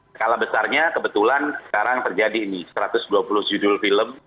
skala besarnya kebetulan sekarang terjadi ini satu ratus dua puluh judul film